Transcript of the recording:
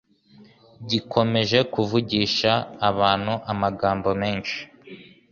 gikomeje kuvugisha abantu amagambo menshi